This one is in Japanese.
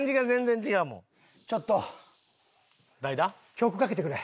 曲かけてくれ。